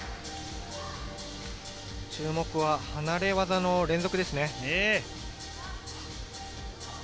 注目は離れ技の連続です。